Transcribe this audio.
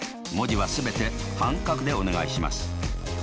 文字は全て半角でお願いします。